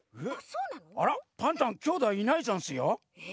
あらっパンタンきょうだいいないざんすよ。